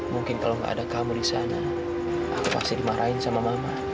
mungkin kalau nggak ada kamu di sana aku pasti dimarahin sama mama